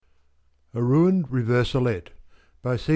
A RUINED REVERSOLET by C.